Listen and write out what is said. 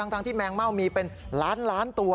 ทั้งที่แมงเม่ามีเป็นล้านล้านตัว